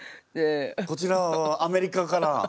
こちら側はアメリカから。